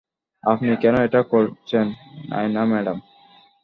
আপনি কেন এটা করছেন, নায়না ম্যাডাম?